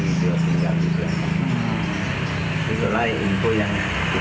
itu lah info yang kita dapat